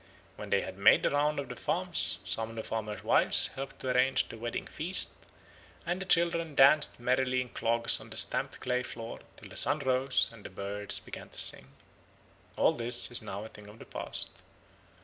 When they had made the round of the farms, some of the farmers' wives helped to arrange the wedding feast, and the children danced merrily in clogs on the stamped clay floor till the sun rose and the birds began to sing. All this is now a thing of the past.